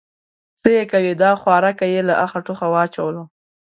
_څه يې کوې، خوارکی يې له اخه ټوخه واچوله.